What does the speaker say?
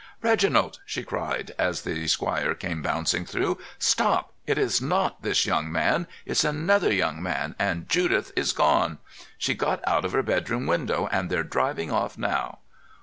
"Reginald!" she cried, as the squire came bouncing through. "Stop! It's not this young man. It's another young man; and Judith's gone. She got out of her bedroom window, and they're driving off now!"